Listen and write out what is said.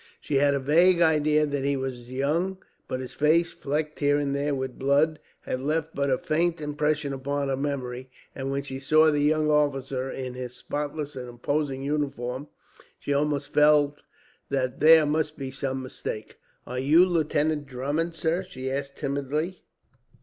She had a vague idea that he was young, but his face, flecked here and there with blood, had left but a faint impression upon her memory; and when she saw the young officer, in his spotless and imposing uniform, she almost felt that there must be some mistake. "Are you Lieutenant Drummond, sir?" she asked timidly.